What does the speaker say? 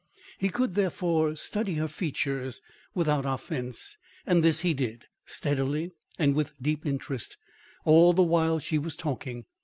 He could, therefore, study her features, without offence, and this he did, steadily and with deep interest, all the while she was talking.